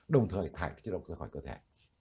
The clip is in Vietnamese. đồng thời thải cái chất độc ra khỏi cơ thể